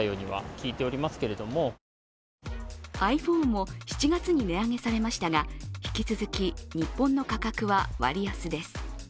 ｉＰｈｏｎｅも７月に値上げされましたが引き続き日本の価格は割安です。